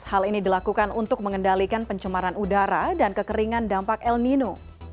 hal ini dilakukan untuk mengendalikan pencemaran udara dan kekeringan dampak el nino